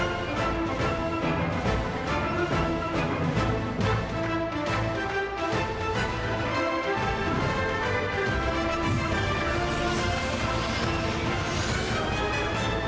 โปรดติดตามตอนต่อไป